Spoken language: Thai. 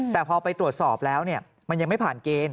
แต่พอไปตรวจสอบแล้วมันยังไม่ผ่านเกณฑ์